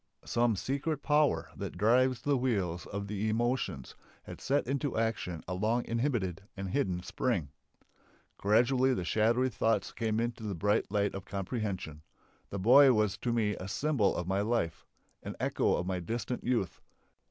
Some secret power that drives the wheels of the emotions had set into action a long inhibited and hidden spring. Gradually the shadowy thoughts came into the bright light of comprehension. The boy was to me a symbol of my life. An echo of my distant youth.